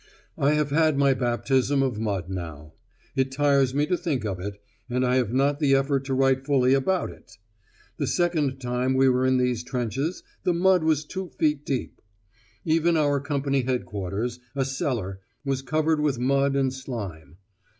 I have had my baptism of mud now. It tires me to think of it, and I have not the effort to write fully about it! The second time we were in these trenches the mud was two feet deep. Even our Company Headquarters, a cellar, was covered with mud and slime.